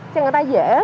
cho người ta dễ